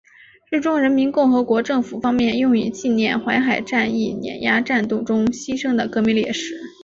是中华人民共和国政府方面用以纪念淮海战役碾庄战斗中牺牲的革命烈士。